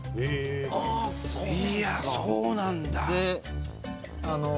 いやあそうなんだ。